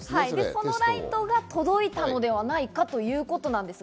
そのライトが届いたのではないかということです。